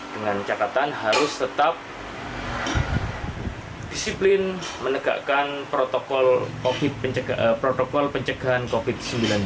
dengan catatan harus tetap disiplin menegakkan protokol pencegahan covid sembilan belas